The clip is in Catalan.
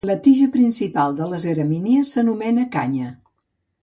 La tija principal de les gramínies s'anomena canya.